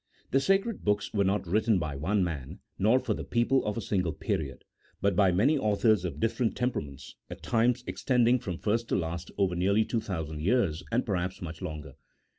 The sacred books were not written by one man, nor for the people of a single period, but by many authors of different temperaments, at times extending from first to last over nearly two thousand years, and perhaps much longer.